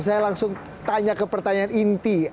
saya langsung tanya ke pertanyaan inti